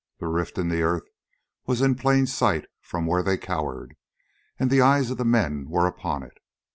The rift in the earth was in plain sight from where they cowered, and the eyes of the men were upon it.